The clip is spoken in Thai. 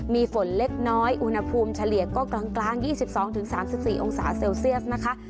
มีฝนเล็กน้อยอุณหภูมิเฉลี่ยก็กลางกลางยี่สิบสองถึงสามสิบสี่องศาเซลเซลเซียสนะคะ